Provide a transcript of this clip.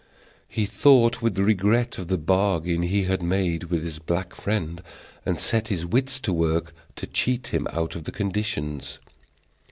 He thought with regret of the bargain he had made with his black friend, and set his wits to work to cheat him out of the conditions.